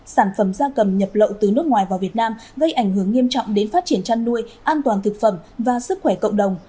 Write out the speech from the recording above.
sản phẩm gia cầm nhập lậu từ nước ngoài vào việt nam gây ảnh hưởng nghiêm trọng đến phát triển chăn nuôi an toàn thực phẩm và sức khỏe cộng đồng